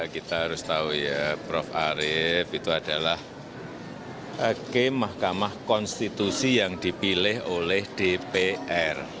kita harus tahu ya prof arief itu adalah hakim mahkamah konstitusi yang dipilih oleh dpr